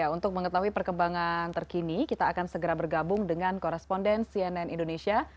untuk mengetahui perkembangan terkini kita akan segera bergabung dengan koresponden cnn indonesia